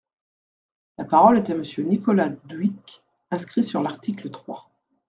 La parole est à Monsieur Nicolas Dhuicq, inscrit sur l’article trois.